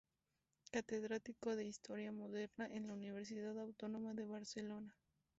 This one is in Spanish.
Catedrático de Historia Moderna en la Universidad Autónoma de Barcelona.